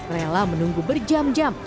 rela menunggu berjam jam